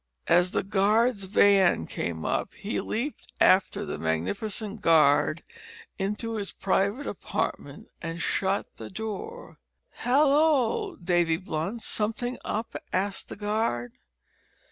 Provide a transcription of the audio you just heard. As the guard's van came up he leaped after the magnificent guard into his private apartment and shut the door. "Hallo! Davy Blunt, somethin' up?" asked the guard.